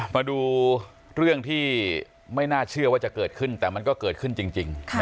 มาดูเรื่องที่ไม่น่าเชื่อว่าจะเกิดขึ้นแต่มันก็เกิดขึ้นจริง